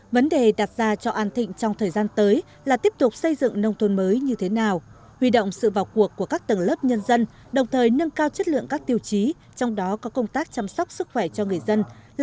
vấn đề đặt ra cho an thịnh trong thời gian tới là tiếp tục xây dựng nông thôn mới như thế nào huy động sự vào cuộc của các tầng lớp nhân dân đồng thời nâng cao chất lượng các tiêu chí trong đó có công tác chăm sóc sức khỏe cho người dân